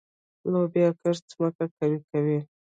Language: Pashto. د لوبیا کښت ځمکه قوي کوي.